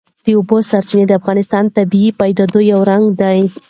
د اوبو سرچینې د افغانستان د طبیعي پدیدو یو رنګ دی.